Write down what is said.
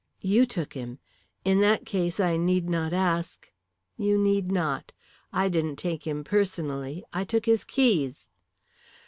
"You took him. In that case I need not ask " "You need not. I didn't take him personally. I took his keys."